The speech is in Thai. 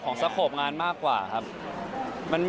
สโขปงานมากกว่าครับ